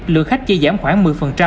lượng khách chia giảm khoảng một mươi